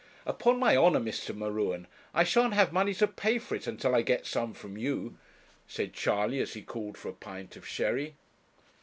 'Upon my honour, Mr. M'Ruen, I shan't have money to pay for it until I get some from you,' said Charley, as he called for a pint of sherry.